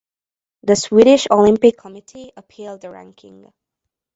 The Swedish Olympic Committee appealed the ranking.